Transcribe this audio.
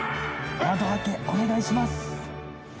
窓開けお願いします。